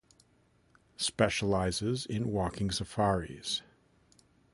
Specialises in walking safaris.